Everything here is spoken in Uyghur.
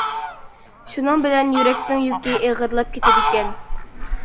شۇنىڭ بىلەن يۈرەكنىڭ يۈكى ئېغىرلاپ كېتىدىكەن.